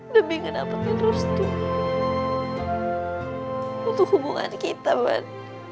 demi ngedapetin rustu untuk hubungan kita man